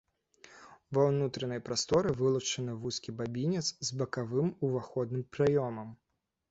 Ва ўнутранай прасторы вылучаны вузкі бабінец з бакавым уваходным праёмам.